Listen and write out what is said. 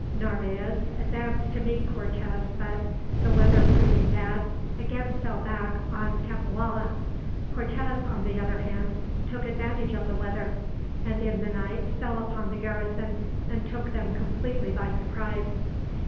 Narvaez advanced to meet Cortez but, the weather proving bad, again fell back on Cempoalla. Cortez, on the other hand, took advantage of the weather, and in the night fell upon the garrison, and took them completely by surprise.